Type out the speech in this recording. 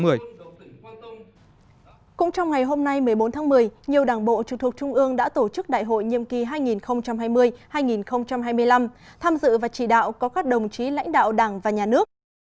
cũng trong ngày hôm nay một mươi bốn tháng một mươi nhiều đảng bộ trực thuộc trung ương đã tổ chức đại hội nhiệm kỳ hai nghìn hai mươi hai nghìn hai mươi năm tham dự và chỉ đạo có các đồng chí lãnh đạo đảng và nhà nước